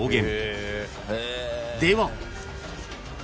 ［では］